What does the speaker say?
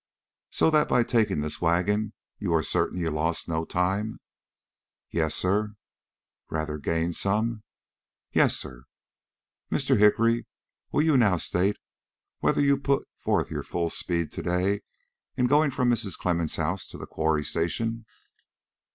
"So that by taking this wagon you are certain you lost no time?" "Yes, sir." "Rather gained some?" "Yes, sir." "Mr. Hickory, will you now state whether you put forth your full speed to day in going from Mrs. Clemmens' house to the Quarry Station?"